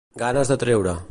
Ganes de treure.